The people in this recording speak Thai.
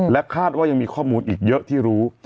คาดว่ายังมีข้อมูลอีกเยอะที่รู้